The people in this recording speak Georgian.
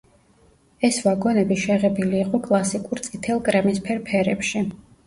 ეს ვაგონები შეღებილი იყო კლასიკურ წითელ–კრემისფერ ფერებში.